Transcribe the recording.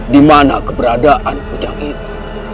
di mana keberadaan ujang itu